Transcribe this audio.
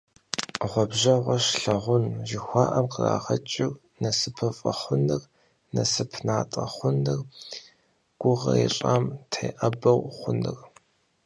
«Гъуэбжэгъуэщ лъагъун» жыхуаӏэм кърагъэкӏырт насыпыфӀэ хъуныр, насып натӀэ хъуныр, гугъэ ищӀам теӀэбэу хъуныр.